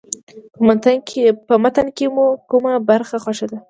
په متن کې مو کومه برخه خوښه ده.